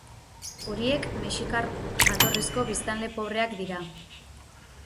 Horiek mexikar jatorrizko biztanle pobreak dira.